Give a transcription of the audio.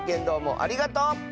どうもありがとう！